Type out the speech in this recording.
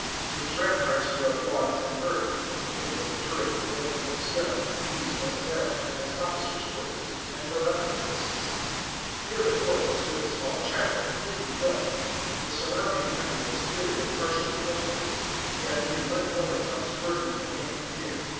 Its ramparts were of logs and earth, and within was a turreted building of stone, used as a barrack, as officers' quarters, and for other purposes. Near the fort stood a small chapel, newly built. The surrounding country was cleared and partially cultivated; yet only one dwelling house worthy the name appeared.